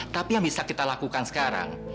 tapi yang bisa kita lakukan sekarang